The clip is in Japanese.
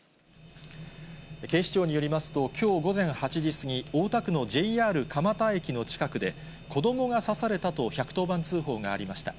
警視庁によりますと、きょう午前８時過ぎ、大田区のＪＲ蒲田駅の近くで、子どもが刺されたと１１０番通報がありました。